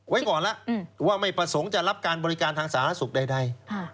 ไว้ก่อนแล้วว่าไม่ประสงค์จะรับการบริการทางสาธารณสุขใด